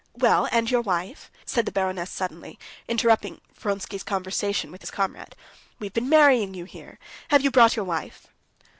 Well, and your wife?" said the baroness suddenly, interrupting Vronsky's conversation with his comrade. "We've been marrying you here. Have you brought your wife?"